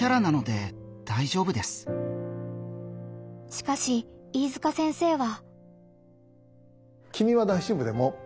しかし飯塚先生は。